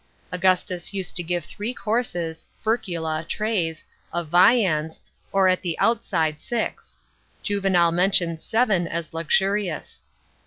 Augustus used to give three courses (fercula, " trays ") of viands, or at the outside six. Juvenal mentions seven as luxurious.